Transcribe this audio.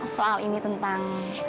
soal ini tentang